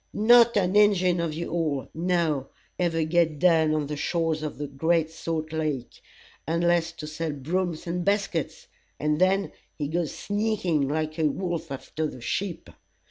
Not an Injin of you all, now, ever get down on the shores of the great salt lake, unless to sell brooms and baskets, and then he goes sneaking like a wolf after a sheep.